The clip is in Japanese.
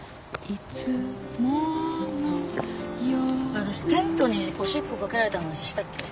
私テントにおしっこかけられた話したっけ？